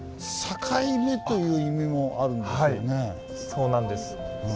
そうなんです。